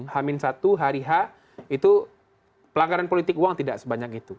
h satu hari h itu pelanggaran politik uang tidak sebanyak itu